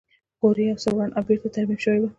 کور یې یو څه وران او بېرته ترمیم شوی و